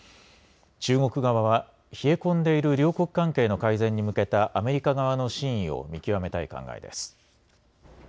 中国側は冷え込んでいる両国関係の改善に向けたアメリカ側の真意を見極めたい考えです。